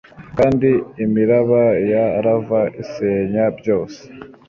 kandi imiraba ya lava isenya byose